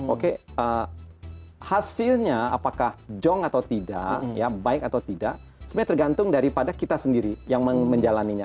oke hasilnya apakah jong atau tidak ya baik atau tidak sebenarnya tergantung daripada kita sendiri yang menjalannya